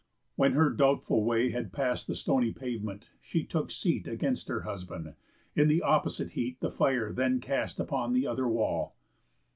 When her doubtful way Had pass'd the stony pavement, she took seat Against her husband, in the opposite heat The fire then cast upon the other wall.